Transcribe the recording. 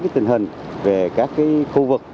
tình hình về các khu vực